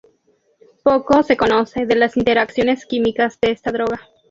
Poco se conoce de las interacciones químicas de esta droga.